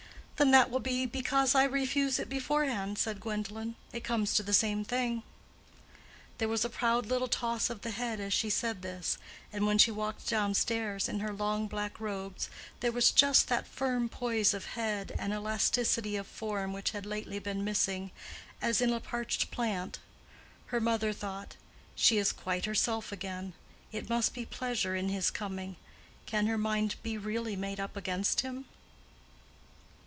"Then that will be because I refuse it beforehand," said Gwendolen. "It comes to the same thing." There was a proud little toss of the head as she said this; and when she walked down stairs in her long black robes, there was just that firm poise of head and elasticity of form which had lately been missing, as in a parched plant. Her mother thought, "She is quite herself again. It must be pleasure in his coming. Can her mind be really made up against him?"